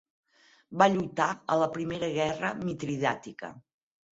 Va lluitar a la Primera Guerra Mitridàtica.